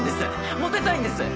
モテたいんです！